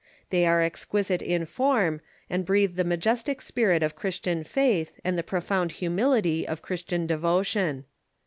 They are exquisite in form, and breathe the majestic spirit of Christian faith and the profound humility of Christian devotion.